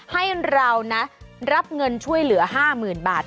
ให้เรานะรับเงินช่วยเหลือ๕๐๐๐บาท